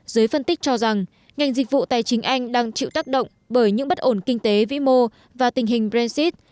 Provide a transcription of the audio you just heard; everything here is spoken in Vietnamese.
giới phân tích cho rằng ngành dịch vụ tài chính anh đang chịu tác động bởi những bất ổn kinh tế vĩ mô và tình hình brexit